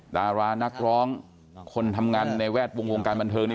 ดารานักร้องคนทำงานในแวดวงวงการบันเทิงนี่